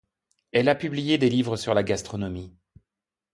Elle a publié des livres sur la gastronomie.